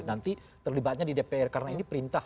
nanti terlibatnya di dpr karena ini perintah